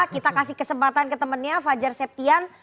kita kasih kesempatan ke temennya fajar septian